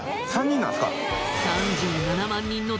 ３人なんすか！？